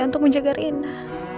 untuk menjaga rena